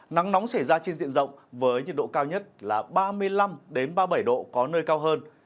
nắng nóng sẽ ra trên diện rộng với nhiệt độ cao nhất là ba mươi năm ba mươi bảy độ có nơi cao hơn